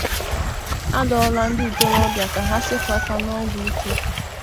A Dụọla Ndị Ntorobịa Ka Ha Sepụ Aka n'Ọgwụ Ike